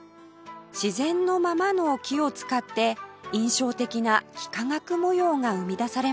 自然のままの木を使って印象的な幾何学模様が生み出されます